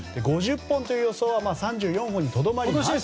５０本という予想は３４本にとどまりましたが。